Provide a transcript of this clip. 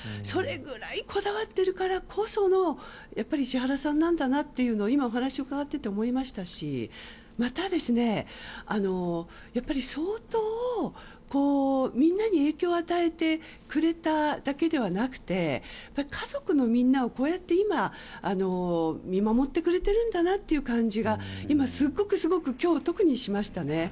それくらいこだわっているからこその石原さんなんだなというのを今、お話を伺っていて思いましたしまた、相当みんなに影響を与えてくれただけではなくて家族のみんなをこうやって今、見守ってくれているんだなという感じが今日はすごく、特にしましたね。